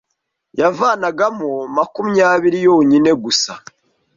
yavanagamo makumyabiri yonyine gusa